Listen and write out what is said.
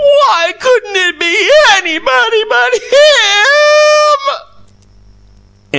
Why couldn't it be anybody but HIM!"